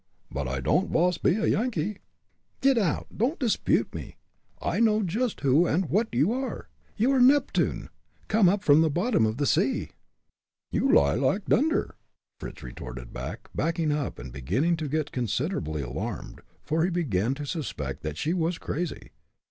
"But I don'd vas be a Yankee!" "Get out! Don't dispute me! I know just who and what you are. You are Neptune, come up from the bottom of the sea." "You lie like dunder!" Fritz retorted, backing up, and beginning to get considerably alarmed, for he began to suspect that she was crazy.